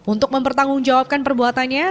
untuk mempertanggungjawabkan perbuatannya